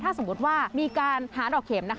ถ้าสมมุติว่ามีการหาดอกเข็ม